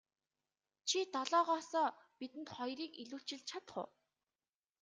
Чи долоогоосоо бидэнд хоёрыг илүүчилж чадах уу.